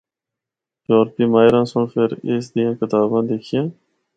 یورپی ماہراں سنڑ فر اس دیاں کتاباں دکھیاں۔